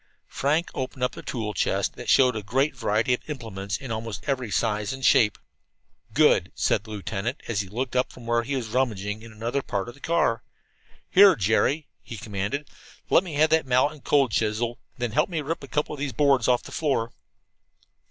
Frank opened up a tool chest that showed a great variety of implements in almost every size and shape. "Good," said the lieutenant, as he looked up from where he was rummaging in another part of the car. "Here, Jerry," he commanded, "let me have that mallet and cold chisel and then help me rip a couple of these boards off the floor."